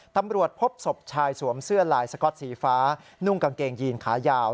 ตำรวจพบศพชายสวมเสื้อลายสก๊อตสีฟ้านุ่งกางเกงยีนขายาว